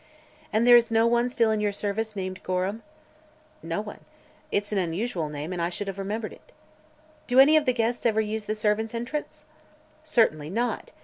"And there is no one still in your service named Gorham?" "No one. It's an unusual name and I should have remembered it." "Do any of the guests ever use the servants' entrance?" "Certainly not.